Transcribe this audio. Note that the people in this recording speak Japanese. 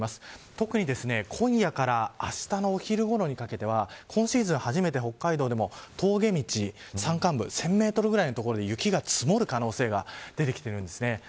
特に今夜からあしたのお昼ごろにかけては今シーズン初めて北海道でも峠道、山間部１０００メートルぐらいの所で雪が積もる可能性が出てきています。